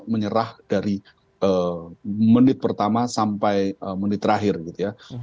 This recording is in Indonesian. menyerah dari menit pertama sampai menit terakhir gitu ya